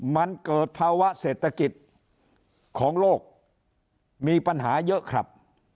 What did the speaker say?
มันเกิดภาวะเศรษฐกิจของโลกมีปัญหาเยอะครับ